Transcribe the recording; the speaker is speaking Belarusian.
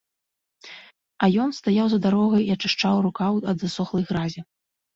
А ён стаяў за дарогай і ачышчаў рукаў ад засохлай гразі.